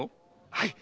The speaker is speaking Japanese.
はい。